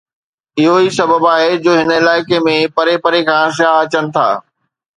اهو ئي سبب آهي جو هن علائقي ۾ پري پري کان سياح اچن ٿا.